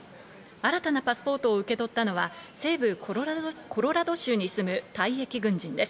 新たなパスポートを受け取ったのは、西部コロラド州に住む退役軍人です。